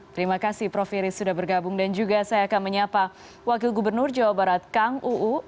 terima kasih prof iris sudah bergabung dan juga saya akan menyapa wakil gubernur jawa barat kang uu